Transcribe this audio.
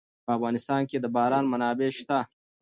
په افغانستان کې د باران منابع شته.